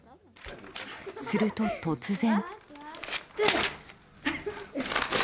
すると、突然。